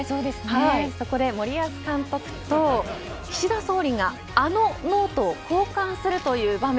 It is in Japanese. そこで森保監督と岸田総理があのノートを交換するという場面